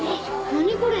何これ！